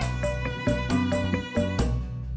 jangan pressures dengerin an publikum